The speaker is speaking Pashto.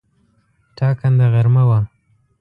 ټاکنده غرمه وه.